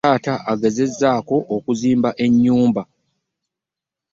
Taata egezezaako okuzimba enyumba.